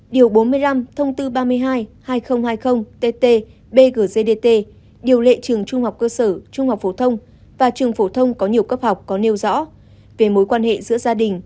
điều bốn mươi năm thông tư ba mươi hai hai nghìn hai mươi tt bggdt điều lệ trường trung học cơ sở trung học phổ thông và trường phổ thông có nhiều cấp học có nêu rõ về mối quan hệ giữa gia đình